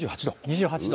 ２８度。